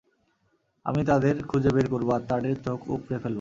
আমি তাদের খুঁজে বের করবো আর তাদের চোখ উপড়ে ফেলবো!